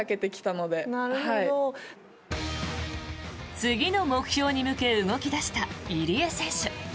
次の目標に向け動き出した入江選手。